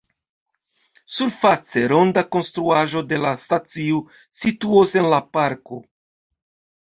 Surface, ronda konstruaĵo de la stacio situos en la parko.